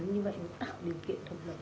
như vậy nó tạo điều kiện thuận lợi